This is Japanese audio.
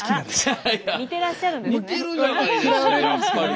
あら似てらっしゃるんですね。